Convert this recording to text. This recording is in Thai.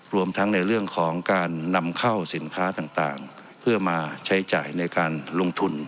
รวมทั้งในเรื่องของการนำเข้าสินค้าต่างเพื่อมาใช้จ่ายในการลงทุน